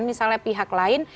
misalnya pihak lain